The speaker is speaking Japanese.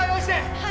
はい！